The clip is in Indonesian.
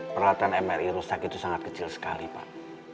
peralatan mri rusak itu sangat kecil sekali pak